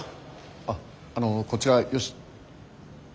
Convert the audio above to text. あっあのこちら吉。